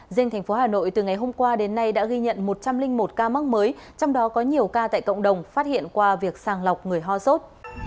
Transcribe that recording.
riêng thành phố hà nội từ ngày hôm qua đến nay đã ghi nhận một trăm linh một ca mắc mới trong đó có nhiều ca tại cộng đồng phát hiện qua việc sàng lọc người ho sốt